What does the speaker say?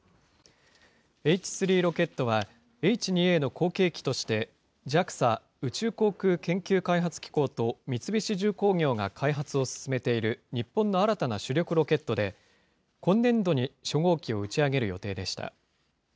Ｈ３ロケットは、Ｈ２Ａの後継機として、ＪＡＸＡ・宇宙航空研究開発機構と三菱重工業が開発を進めている日本の新たな主力ロケットで、今年度に初号機を打ち上げる予定でした。